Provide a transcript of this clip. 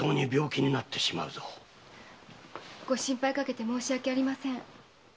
ご心配かけて申し訳ありません。